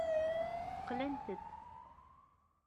Qlant-t.